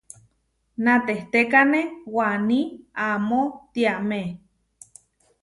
Natehtékane waní amó tiamé.